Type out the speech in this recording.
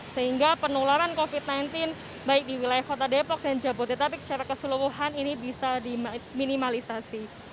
sehingga penularan covid sembilan belas baik di wilayah kota depok dan jabodetabek secara keseluruhan ini bisa diminimalisasi